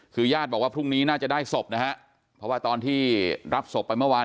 คือญาติบอกว่าพรุ่งนี้น่าจะได้ศพนะฮะเพราะว่าตอนที่รับศพไปเมื่อวาน